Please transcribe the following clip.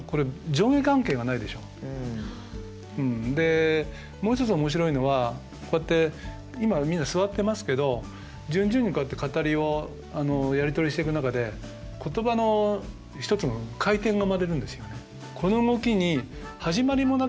でもう一つ面白いのはこうやって今みんな座ってますけど順々にこうやって語りをやり取りしていく中で言葉の一つの回転が生まれるんですよね。